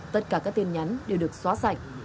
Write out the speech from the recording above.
tất cả các tin nhắn đều được xóa sạch